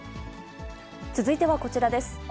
続いてはこちらです。